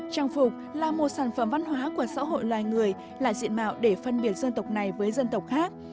trang phục là một sản phẩm văn hóa của xã hội loài người là diện mạo để phân biệt dân tộc này với dân tộc khác